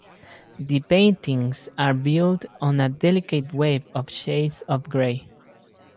The paintings are built on a delicate web of shades of grey.